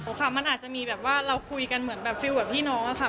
ค่ะมันอาจจะมีแบบว่าเราคุยกันเหมือนแบบฟิลแบบพี่น้องอะค่ะ